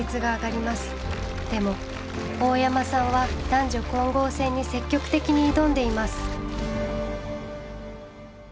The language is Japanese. でも大山さんは男女混合戦に積極的に挑んでいます。